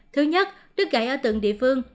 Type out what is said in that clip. thứ nhất đứt gãy ở từng địa phương